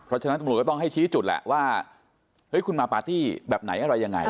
เพราะฉะนั้นตำรวจก็ต้องให้ชี้จุดแหละว่าเฮ้ยคุณมาปาร์ตี้แบบไหนอะไรยังไง